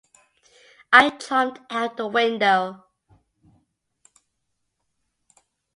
I jumped out the window.